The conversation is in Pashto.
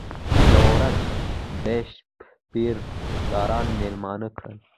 یوه ورځ بیشپ پیره داران مېلمانه کړل.